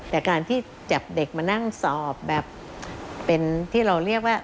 แต่การที่จับเด็กมานั่งสอบแบบเป็นที่เราเรียกว่า